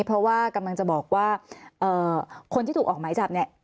เพราะว่ากำลังจะบอกว่าคนที่ถูกออกหมายจับเนี่ย